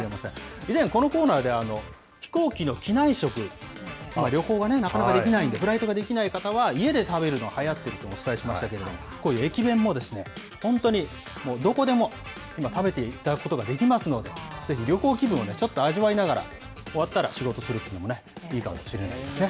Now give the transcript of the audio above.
以前このコーナーで、飛行機の機内食、旅行が、なかなかできないんで、フライトができない方は、家で食べるのがはやってるとお伝えしましたけれども、こういう駅弁も本当にどこでも今、食べていただくことができますので、ぜひ、旅行気分をちょっと味わいながら、終わったら仕事するっていうのもいいかもしれないですね。